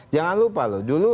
jangan lupa loh